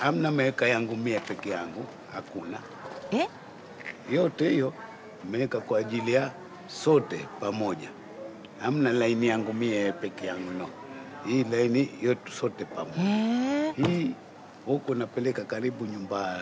えっ？へえ。